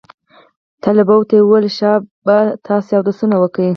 طلباو ته يې وويل شابه تاسې اودسونه وكئ.